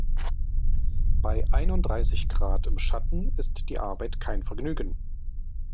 Bei einunddreißig Grad im Schatten ist die Arbeit kein Vergnügen.